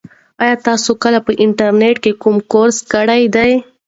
ایا تاسي کله په انټرنيټ کې کوم کورس کړی دی؟